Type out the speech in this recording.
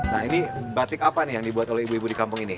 nah ini batik apa nih yang dibuat oleh ibu ibu di kampung ini